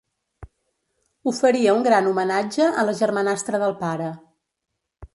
Oferia un gran homenatge a la germanastra del pare.